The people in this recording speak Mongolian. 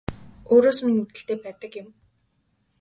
Өөрөөс минь үүдэлтэй байдаг юм